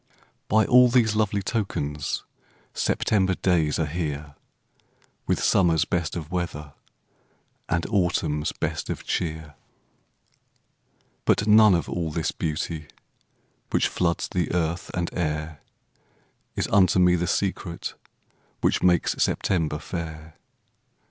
By all these lovely tokens September days are here, With summer's best of weather, And autumn's best of cheer. But none of all this beauty Which floods the earth and air Is unto me the secret Which makes September fair.